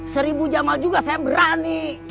seribu jamaah juga saya berani